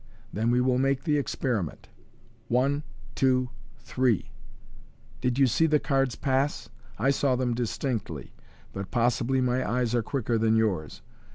Then we will make the experi ment. One, two, three! Did you see the cards pass? I saw them distinctly, but possibly my eyes are quicker than yours.